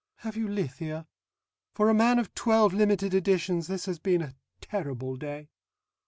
Have you lithia? For a man of twelve limited editions this has been a terrible day."